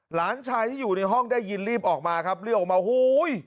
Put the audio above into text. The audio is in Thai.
หลานชายที่อยู่ในห้องได้ยินรีบออกมาครับรีบออกมาอุ้ย